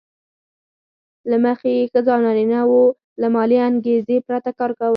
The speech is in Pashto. له مخې یې ښځو او نارینه وو له مالي انګېزې پرته کار کاوه